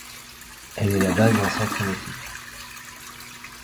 Elle est la base d'un centre nautique.